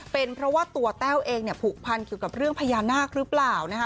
เป็นเพราะว่าตัวแต้วเองเนี่ยผูกพันเกี่ยวกับเรื่องพญานาคหรือเปล่านะคะ